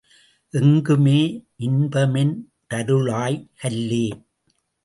எங்குமே இன்பமென் றுருளாய் கல்லே!